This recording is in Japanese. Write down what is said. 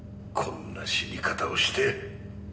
こんな死に方をして！